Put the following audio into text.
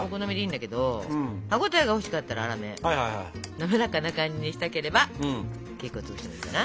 滑らかな感じにしたければ結構潰してもいいかな。